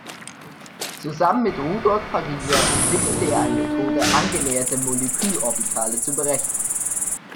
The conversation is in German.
Zusammen mit Rudolph Pariser entwickelte er eine Methode, angenäherte Molekülorbitale zu berechnen.